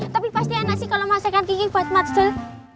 tapi pasti enak sih kalo masakan kiki buat mas tel